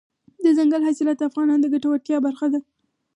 دځنګل حاصلات د افغانانو د ګټورتیا برخه ده.